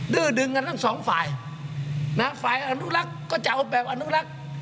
ื้อดึงกันทั้งสองฝ่ายนะฝ่ายอนุรักษ์ก็จะเอาแบบอนุรักษ์